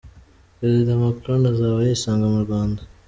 Perezida Macron azaba yisanga mu Rwanda.”